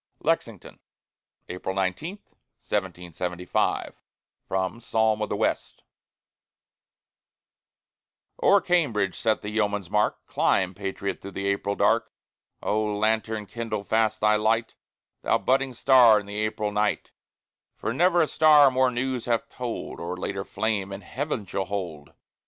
LEXINGTON [April 19, 1775] From "Psalm of the West" O'er Cambridge set the yeoman's mark: Climb, patriot, through the April dark. O lanthorn! kindle fast thy light, Thou budding star in the April night, For never a star more news hath told, Or later flame in heaven shall hold.